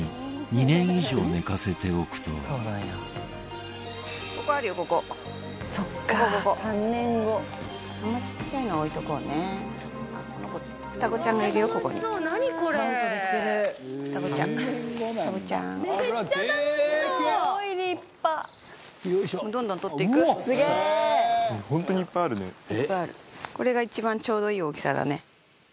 財前：これが一番ちょうどいい大きさだね。